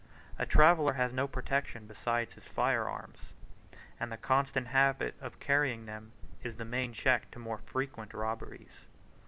A traveller has no protection besides his fire arms; and the constant habit of carrying them is the main check to more frequent robberies.